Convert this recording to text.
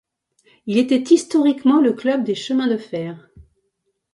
Il était historiquement le club des chemins de fer.